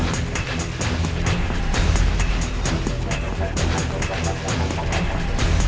pikiran anda pasti bisa meng randomly quempa muda mungkin